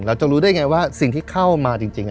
เราจะรู้ได้ไงว่าสิ่งที่เข้ามาจริง